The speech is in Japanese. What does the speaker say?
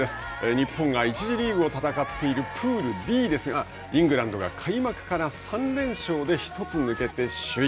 日本が１次リーグを戦っているプールＤですがイングランドが開幕から３連勝で１つ抜けて首位。